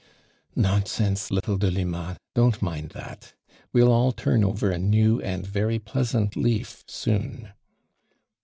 "Nonsense, little Delima, don't mind that. We'll all turn over a now and very pleasant leaf soon."